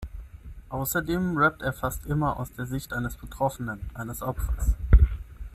Außerdem rappt er fast immer aus der Sicht eines Betroffenen, eines Opfers.